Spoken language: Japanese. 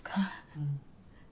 うん。